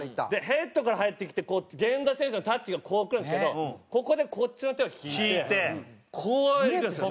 ヘッドから入ってきて源田選手のタッチがこうくるんですけどここでこっちの手を引いてこういくんですよね。